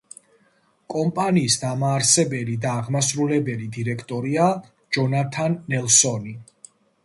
კომპანიის დამაარსებელი და აღმასრულებელი დირექტორია ჯონათან ნელსონი.